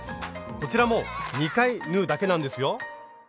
こちらも２回縫うだけなんですよ。